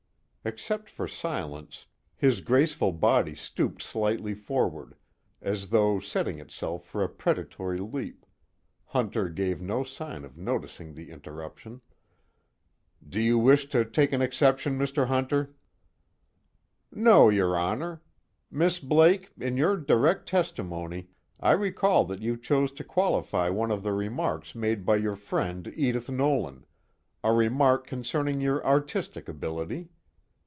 Except for silence, his graceful body stooped slightly forward as though setting itself for a predatory leap, Hunter gave no sign of noticing the interruption. "Do you wish to take an exception, Mr. Hunter?" "No, your Honor. Miss Blake, in your direct testimony I recall that you chose to qualify one of the remarks made by your friend Edith Nolan, a remark concerning your artistic ability.